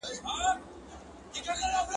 اقتصاد د دولت تر کنټرول لاندې دی.